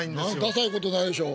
ダサいことないでしょう。